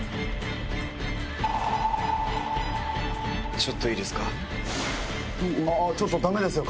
ちょっといいですか？